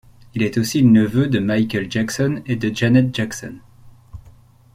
Il est aussi le neveu de Michael Jackson et de Janet Jackson.